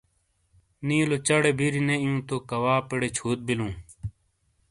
نیلو چہ ڑے بِیری نے ایوں تو کواپیڑے چھوت بِلوں۔